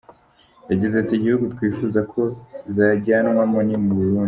Yagize ati “Igihugu twifuza ko zajyanwamo ni mu Burundi.